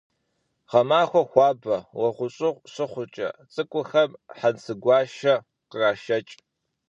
Гъэмахуэр хуабэ, уэгъущӏыгъу щыхъукӏэ, цӏыкӏухэм хьэнцейгуащэ кърашэкӏ.